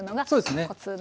そうですね。